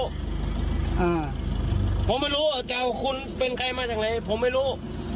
อ่าผมไม่รู้ว่าจะเอาคุณเป็นใครมาจากไหนผมไม่รู้